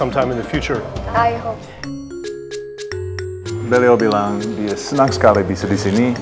beliau bilang dia senang sekali bisa di sini